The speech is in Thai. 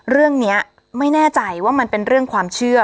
เรื่องนี้ไม่แน่ใจว่ามันเป็นเรื่องความเชื่อ